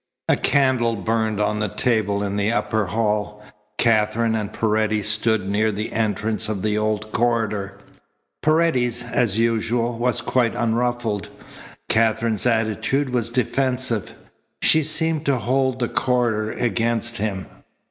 A candle burned on the table in the upper hall. Katherine and Paredes stood near the entrance of the old corridor. Paredes, as usual, was quite unruffled. Katherine's attitude was defensive. She seemed to hold the corridor against him.